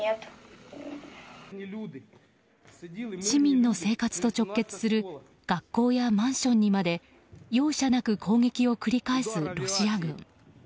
市民の生活と直結する学校やマンションにまで容赦なく攻撃を繰り返すロシア軍。